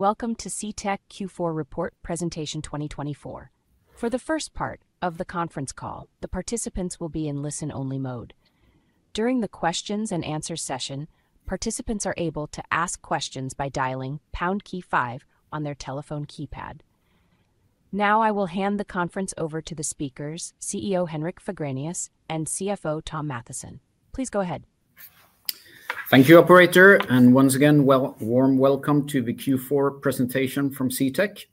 Welcome to the CTEK Q4 Report Presentation 2024. For the first part of the conference call, the participants will be in listen-only mode. During the questions-and-answers session, participants are able to ask questions by dialing pound key five on their telephone keypad. Now, I will hand the conference over to the speakers, the CEO Henrik Fagrenius and the CFO Thom Mathisen. Please go ahead. Thank you, Operator, and once again, warm welcome to the Q4 presentation from CTEK.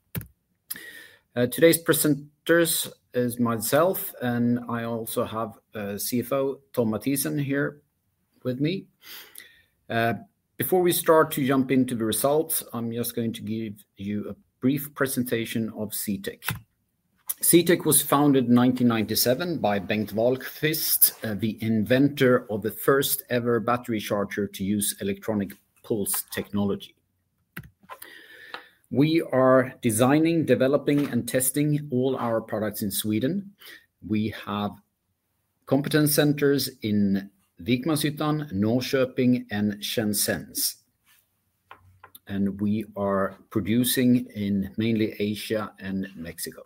Today's presenters is myself, and I also have the CFO Thom Mathisen here with me. Before we start to jump into the results, I'm just going to give you a brief presentation of CTEK. CTEK was founded in 1997 by Bengt Wahlqvist, the inventor of the first-ever battery charger to use electronic pulse technology. We are designing, developing, and testing all our products in Sweden. We have competence centers in Vikmanshyttan, Norrköping, and Shenzhen, and we are producing in mainly Asia and Mexico.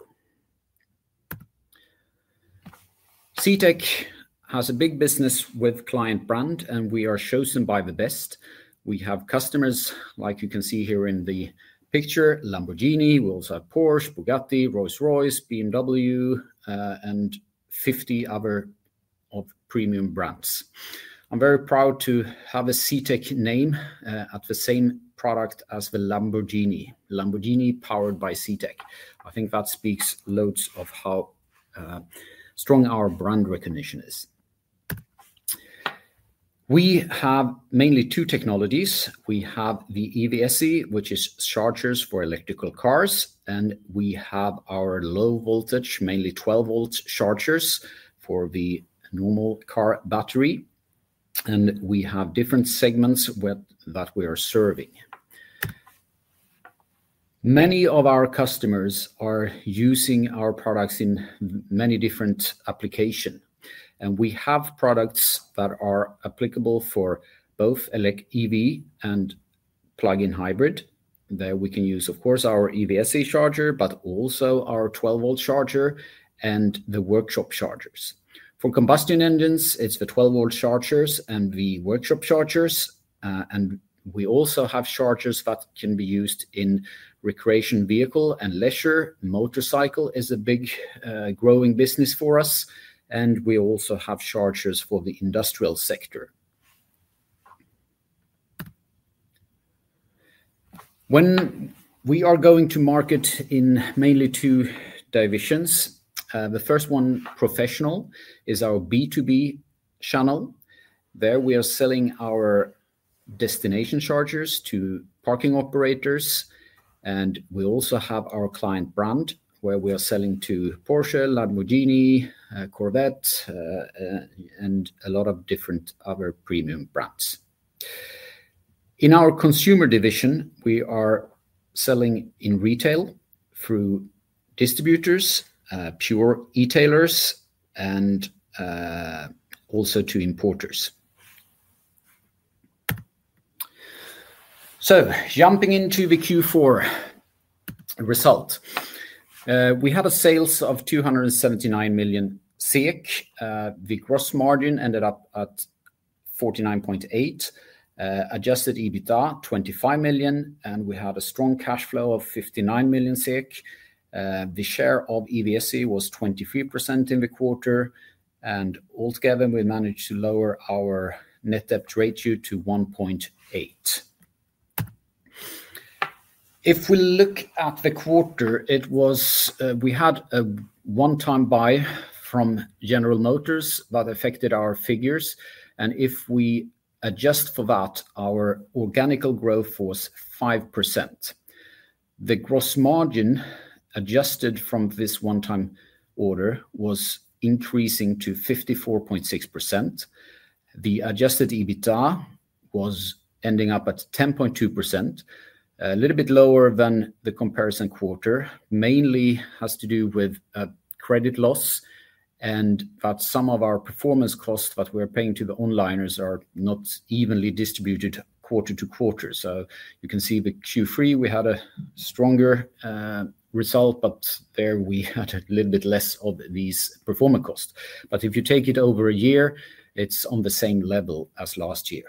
CTEK has a big business with client brands, and we are chosen by the best. We have customers, like you can see here in the picture, Lamborghini. We also have Porsche, Bugatti, Rolls-Royce, BMW, and 50 other premium brands. I'm very proud to have a CTEK name at the same product as the Lamborghini, Lamborghini powered by CTEK. I think that speaks loads of how strong our brand recognition is. We have mainly two technologies. We have the EVSE, which is chargers for electrical cars, and we have our low-voltage, mainly 12-volt chargers for the normal car battery. We have different segments that we are serving. Many of our customers are using our products in many different applications, and we have products that are applicable for both electric EV and plug-in hybrid. There we can use, of course, our EVSE charger, but also our 12-volt charger and the workshop chargers. For combustion engines, it's the 12-volt chargers and the workshop chargers. We also have chargers that can be used in recreational vehicles and leisure. Motorcycle is a big growing business for us, and we also have chargers for the industrial sector. When we are going to market in mainly two divisions, the first one, professional, is our B2B channel. There we are selling our destination chargers to parking operators, and we also have our client brand where we are selling to Porsche, Lamborghini, Corvette, and a lot of different other premium brands. In our consumer division, we are selling in retail through distributors, pure retailers, and also to importers. Jumping into the Q4 result, we had a sales of 279 million. The gross margin ended up at 49.8%, adjusted EBITDA 25 million, and we had a strong cash flow of 59 million. The share of EVSE was 23% in the quarter, and altogether we managed to lower our net debt ratio to 1.8. If we look at the quarter, we had a one-time buy from General Motors that affected our figures, and if we adjust for that, our organic growth was 5%. The gross margin adjusted from this one-time order was increasing to 54.6%. The adjusted EBITDA was ending up at 10.2%, a little bit lower than the comparison quarter. Mainly has to do with a credit loss and that some of our performance costs that we are paying to the onliners are not evenly distributed quarter to quarter. You can see the Q3 we had a stronger result, but there we had a little bit less of these performance costs. If you take it over a year, it's on the same level as last year.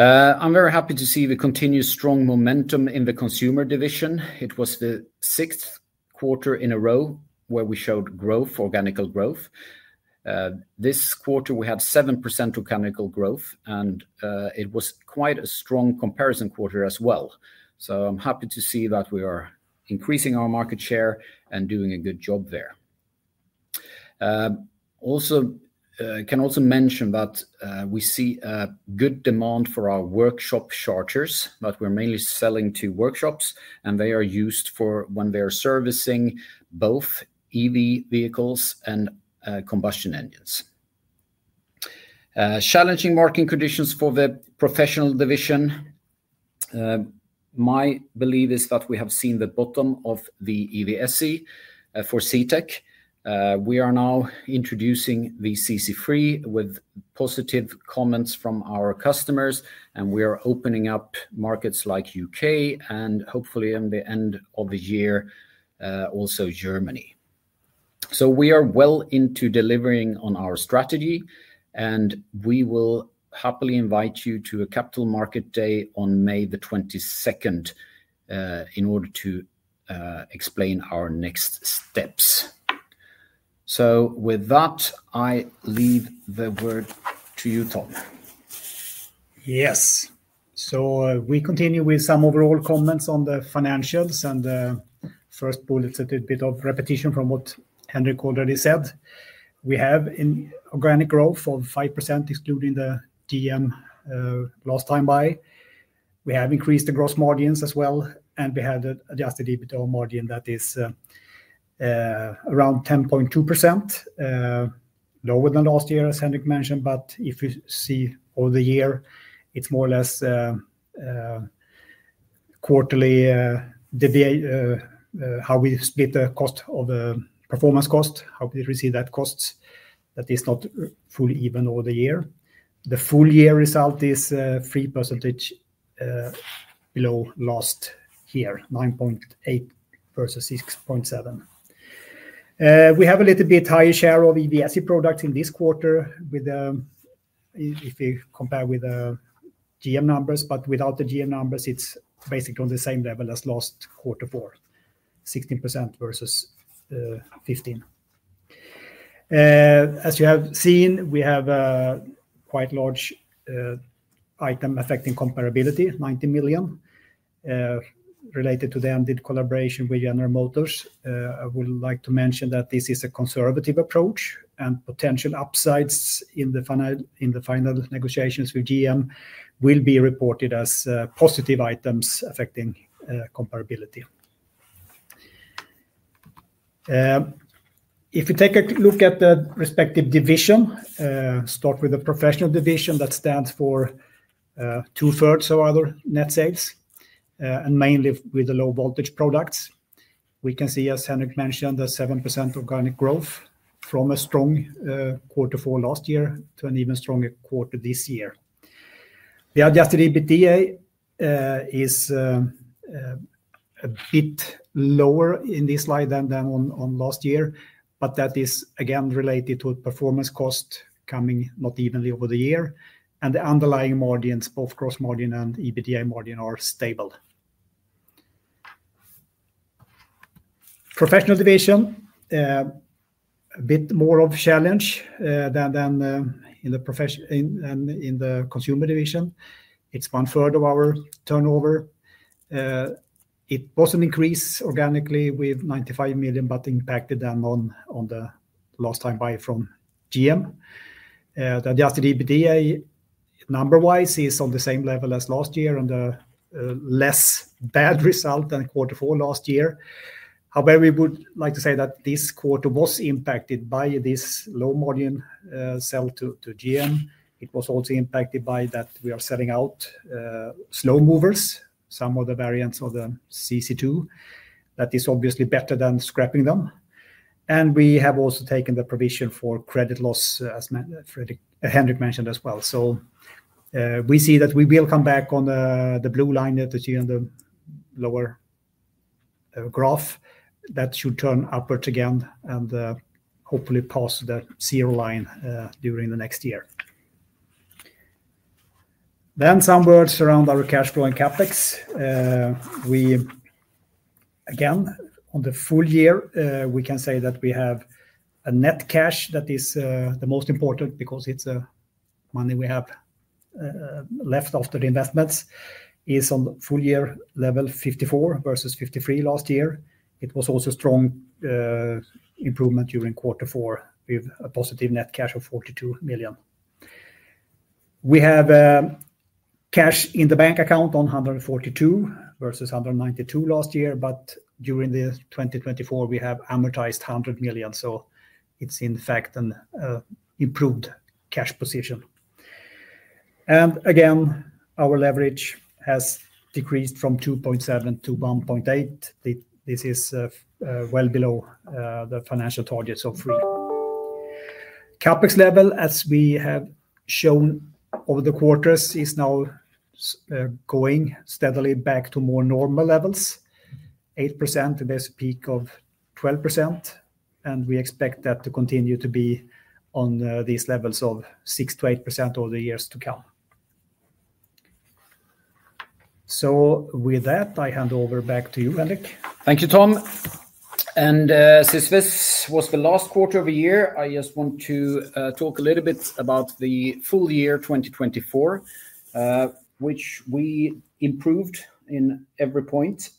I'm very happy to see the continued strong momentum in the consumer division. It was the sixth quarter in a row where we showed organic growth. This quarter we had 7% organic growth, and it was quite a strong comparison quarter as well. I am happy to see that we are increasing our market share and doing a good job there. Also, I can also mention that we see good demand for our workshop chargers that we are mainly selling to workshops, and they are used for when they are servicing both EV vehicles and combustion engines. Challenging marketing conditions for the professional division. My belief is that we have seen the bottom of the EVSE for CTEK. We are now introducing the CC3 with positive comments from our customers, and we are opening up markets like the U.K., and hopefully in the end of the year, also Germany. We are well into delivering on our strategy, and we will happily invite you to the Capital Markets Day on May 22nd in order to explain our next steps. With that, I leave the word to you, Thom. Yes. We continue with some overall comments on the financials, and first bullet is a bit of repetition from what Henrik already said. We have organic growth of 5% excluding the GM last time buy. We have increased the gross margins as well, and we had adjusted the EBITDA margin that is around 10.2%, lower than last year, as Henrik mentioned. If you see all the year, it is more or less quarterly how we split the cost of the performance cost, how we receive that cost. That is not fully even all the year. The full year result is 3% below last year, 9.8 versus 6.7. We have a little bit higher share of the EVSE products in this quarter if you compare with the GM numbers, but without the GM numbers, it's basically on the same level as last quarter for 16% versus 15%. As you have seen, we have a quite large item affecting comparability, 90 million, related to the ended collaboration with the General Motors. I would like to mention that this is a conservative approach, and potential upsides in the final negotiations with the GM will be reported as positive items affecting comparability. If we take a look at the respective division, start with the professional division that stands for two-thirds of our net sales, and mainly with the low-voltage products. We can see, as Henrik mentioned, the 7% organic growth from a strong quarter four last year to an even stronger quarter this year. The adjusted EBITDA is a bit lower in this slide than on last year, but that is again related to performance costs coming not evenly over the year. The underlying margins, both gross margin and the EBITDA margin, are stable. Professional division, a bit more of a challenge than in the consumer division. It is one-third of our turnover. It was an increase organically with 95 million, but impacted then on the last time buy from the General Motors. The adjusted EBITDA number-wise is on the same level as last year and a less bad result than quarter four last year. However, we would like to say that this quarter was impacted by this low-margin sell to the General Motors. It was also impacted by that we are selling out slow movers, some of the variants of the CC2. That is obviously better than scrapping them. We have also taken the provision for credit loss, as Henrik mentioned as well. We see that we will come back on the blue line that you see on the lower graph. That should turn upwards again and hopefully pass the zero line during the next year. Some words around our cash flow and the CapEx. Again, on the full year, we can say that we have a net cash that is the most important because it's the money we have left after the investments. It's on full year level 54 million versus 53 million last year. It was also a strong improvement during quarter four with a positive net cash of 42 million. We have cash in the bank account of 142 million versus 192 million last year, but during 2024, we have amortized 100 million. It's in fact an improved cash position. Again, our leverage has decreased from 2.7 to 1.8. This is well below the financial targets of 3. The CapEx level, as we have shown over the quarters, is now going steadily back to more normal levels, 8%, the best peak of 12%, and we expect that to continue to be on these levels of 6-8% over the years to come. With that, I hand over back to you, Henrik. Thank you, Thom. Since this was the last quarter of the year, I just want to talk a little bit about the full year 2024, which we improved in every point.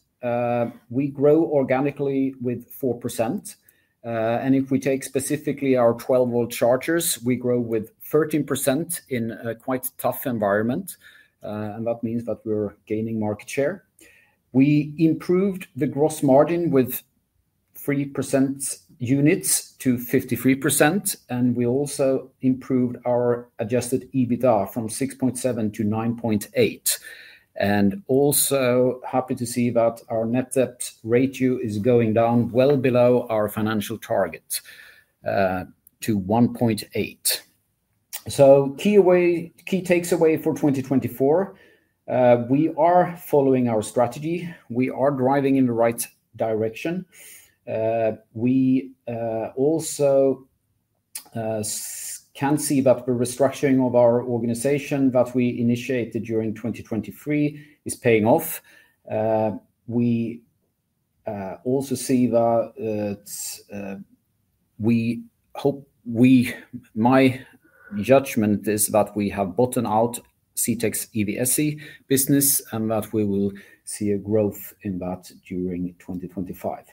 We grow organically with 4%. If we take specifically our 12-volt chargers, we grow with 13% in a quite tough environment, and that means that we're gaining market share. We improved the gross margin with 3% units to 53%, and we also improved our adjusted EBITDA from 6.7 to 9.8. I am also happy to see that our net debt ratio is going down well below our financial target to 1.8. Key takeaways for 2024. We are following our strategy. We are driving in the right direction. We also can see that the restructuring of our organization that we initiated during 2023 is paying off. We also see that we hope my judgment is that we have bottomed out CTEK's EVSE business and that we will see a growth in that during 2025.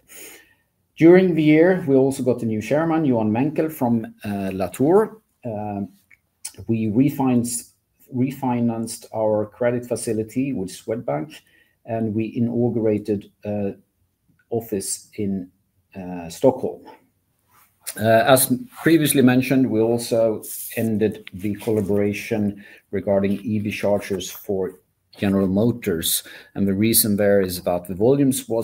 During the year, we also got a new chairman, Johan Menckel from Latour. We refinanced our credit facility with the Swedbank, and we inaugurated an office in Stockholm. As previously mentioned, we also ended the collaboration regarding the EV chargers for General Motors, and the reason there is that the volumes were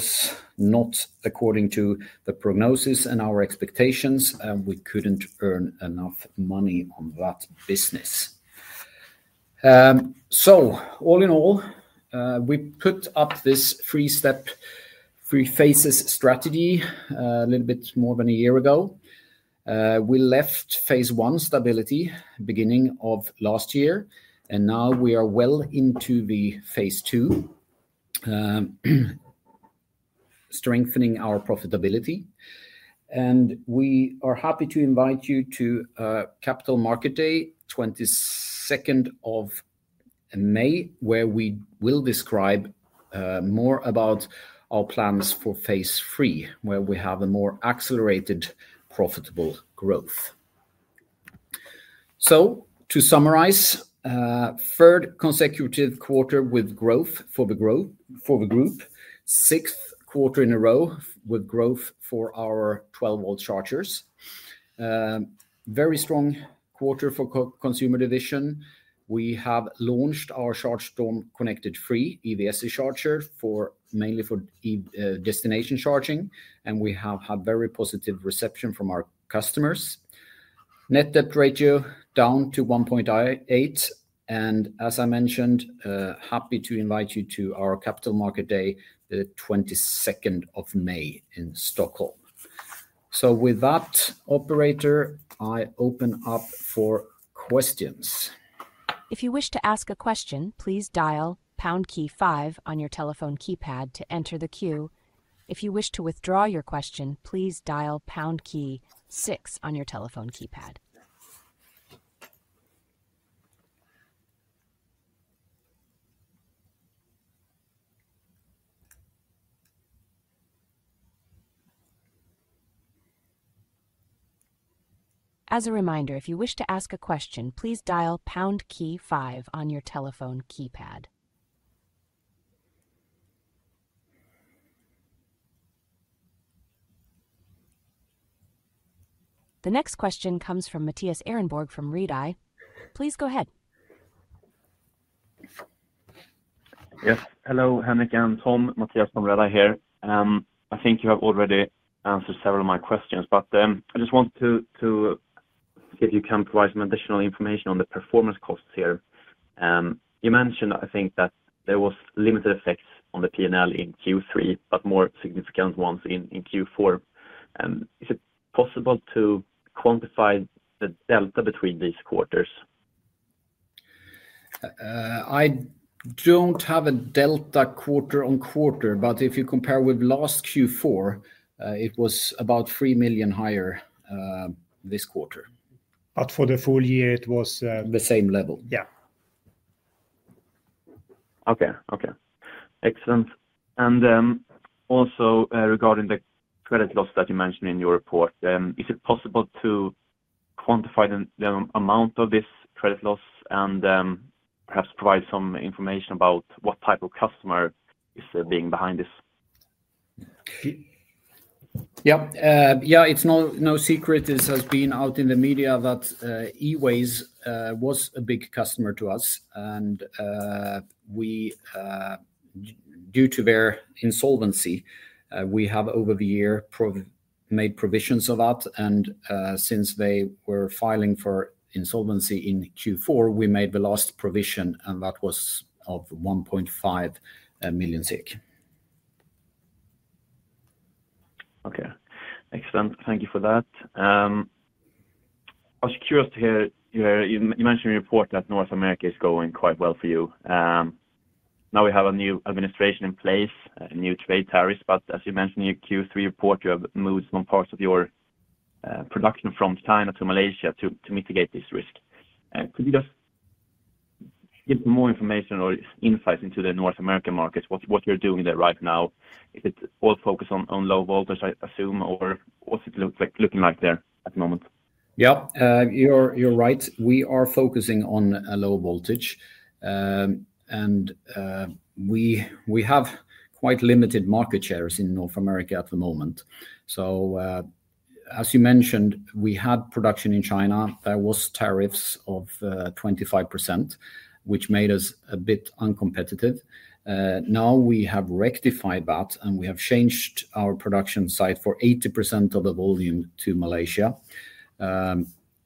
not according to the prognosis and our expectations, and we couldn't earn enough money on that business. All in all, we put up this three-step, three-phases strategy a little bit more than a year ago. We left phase I stability at the beginning of last year, and now we are well into phase II, strengthening our profitability. We are happy to invite you to the Capital Markets Day, 22nd of May, where we will describe more about our plans for phase III, where we have a more accelerated profitable growth. To summarize, third consecutive quarter with growth for the group, sixth quarter in a row with growth for our 12-volt chargers. Very strong quarter for consumer division. We have launched our CHARGESTORM CONNECTED 3 EVSE charger mainly for destination charging, and we have had very positive reception from our customers. Net debt ratio down to 1.8. As I mentioned, happy to invite you to our Capital Markets Day, the 22nd of May in Stockholm. With that, operator, I open up for questions. If you wish to ask a question, please dial pound key five on your telephone keypad to enter the queue. If you wish to withdraw your question, please dial pound key six on your telephone keypad. As a reminder, if you wish to ask a question, please dial pound key five on your telephone keypad. The next question comes from Mattias Ehrenborg from Redeye. Please go ahead. Yes. Hello, Henrik and Thom. Mattias from Redeye here. I think you have already answered several of my questions, but I just want to see if you can provide some additional information on the performance costs here. You mentioned, I think, that there was limited effects on the P&L in Q3, but more significant ones in Q4. Is it possible to quantify the delta between these quarters? I don't have a delta quarter on quarter, but if you compare with last Q4, it was about 3 million higher this quarter. For the full year, it was The same level. Yeah. Okay. Okay. Excellent. Also regarding the credit loss that you mentioned in your report, is it possible to quantify the amount of this credit loss and perhaps provide some information about what type of customer is being behind this? Yeah. Yeah. It's no secret, this has been out in the media, that Eways was a big customer to us. Due to their insolvency, we have over the year made provisions of that. Since they were filing for insolvency in Q4, we made the last provision, and that was of 1.5 million. Okay. Excellent. Thank you for that. I was curious to hear you mentioned in your report that North America is going quite well for you. Now we have a new administration in place, a new trade tariffs, but as you mentioned in your Q3 report, you have moved some parts of your production from China to Malaysia to mitigate this risk. Could you just give more information or insights into the North American markets, what you're doing there right now? Is it all focused on low voltage, I assume, or what's it looking like there at the moment? Yeah. You're right. We are focusing on low voltage. We have quite limited market shares in North America at the moment. As you mentioned, we had production in China. There were tariffs of 25%, which made us a bit uncompetitive. We have rectified that, and we have changed our production site for 80% of the volume to Malaysia.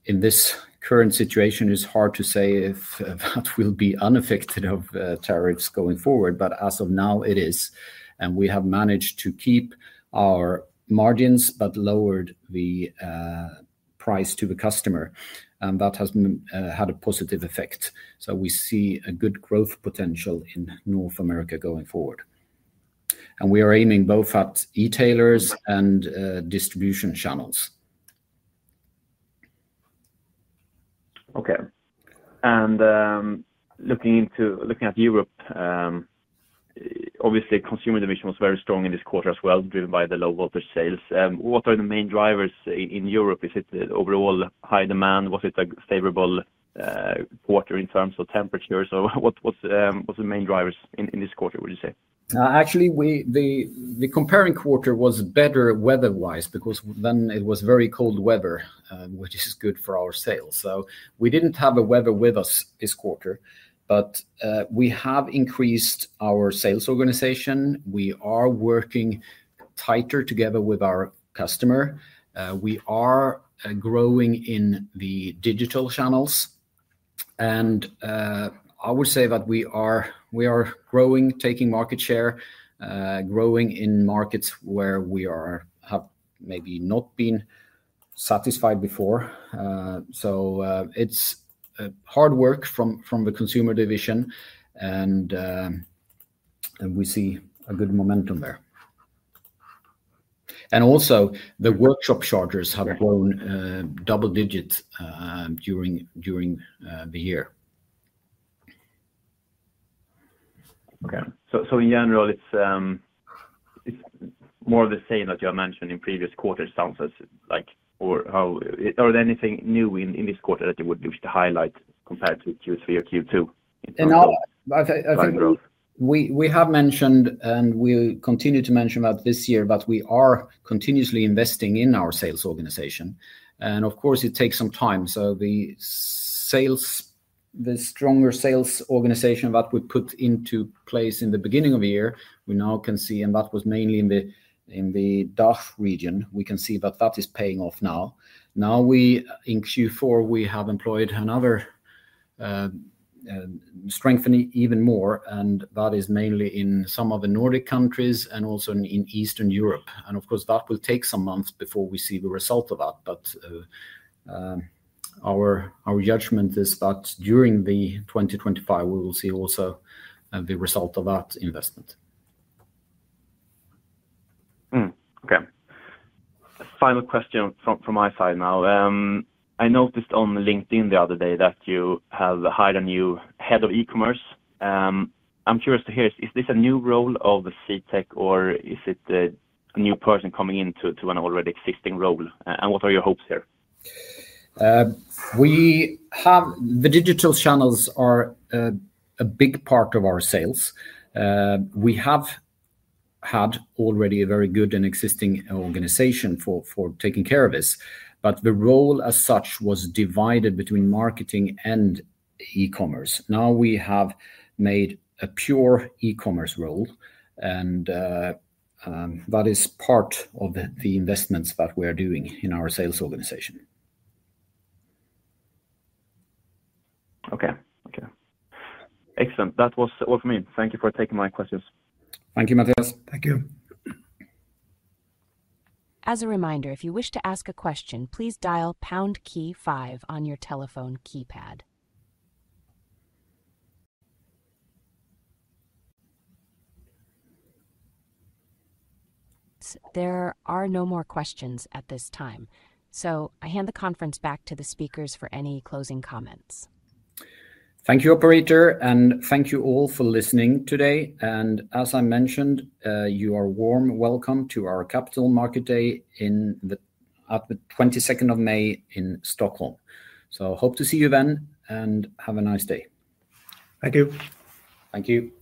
In this current situation, it is hard to say if that will be unaffected of tariffs going forward, but as of now, it is. We have managed to keep our margins, but lowered the price to the customer. That has had a positive effect. We see a good growth potential in North America going forward. We are aiming both at retailers and distribution channels. Okay. Looking at Europe, obviously, consumer division was very strong in this quarter as well, driven by the low voltage sales. What are the main drivers in Europe? Is it overall high demand? Was it a favorable quarter in terms of temperatures? What were the main drivers in this quarter, would you say? Actually, the comparing quarter was better weather-wise because then it was very cold weather, which is good for our sales. We did not have the weather with us this quarter, but we have increased our sales organization. We are working tighter together with our customer. We are growing in the digital channels. I would say that we are growing, taking market share, growing in markets where we have maybe not been satisfied before. It is hard work from the consumer division, and we see a good momentum there. Also, the workshop chargers have grown double digits during the year. Okay. In general, it's more the same that you have mentioned in previous quarters, it sounds like. Are there anything new in this quarter that you would wish to highlight compared to Q3 or Q2 in terms of growth? We have mentioned, and we continue to mention about this year, that we are continuously investing in our sales organization. Of course, it takes some time. The stronger sales organization that we put into place in the beginning of the year, we now can see, and that was mainly in the DACH region, we can see that that is paying off now. In Q4, we have employed another strengthening even more, and that is mainly in some of the Nordic countries and also in the Eastern Europe. Of course, that will take some months before we see the result of that. Our judgment is that during 2025, we will see also the result of that investment. Okay. Final question from my side now. I noticed on LinkedIn the other day that you have hired a new head of e-commerce. I'm curious to hear, is this a new role at CTEK, or is it a new person coming into an already existing role? What are your hopes here? The digital channels are a big part of our sales. We have had already a very good and existing organization for taking care of this, but the role as such was divided between marketing and e-commerce. Now we have made a pure e-commerce role, and that is part of the investments that we are doing in our sales organization. Okay. Okay. Excellent. That was all from me. Thank you for taking my questions. Thank you, Mattias. Thank you. As a reminder, if you wish to ask a question, please dial pound key five on your telephone keypad. There are no more questions at this time. I hand the conference back to the speakers for any closing comments. Thank you, operator, and thank you all for listening today. As I mentioned, you are warm welcome to our Capital Markets Day at the 22nd of May in Stockholm. I hope to see you then and have a nice day. Thank you. Thank you.